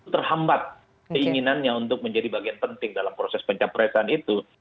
terhambat keinginannya untuk menjadi bagian penting dalam proses pencapresan itu